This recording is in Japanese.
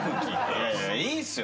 いやいやいいっすよ。